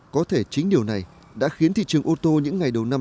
có thể chính điều này đã khiến thị trường ô tô những ngày đầy